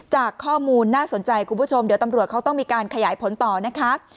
จากข้อมูลน่าสนใจคุณผู้ชมเดี๋ยวตำรวจเขาต้องมีการขยายผลต่อนะคะ